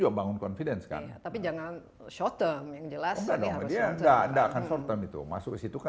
ke confidence kan tapi jangan short term yang jelas nggak akan short term itu masuk ke situ kan